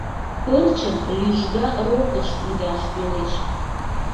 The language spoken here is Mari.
Пырчым лӱжга рокыш ӱдаш кӱлеш.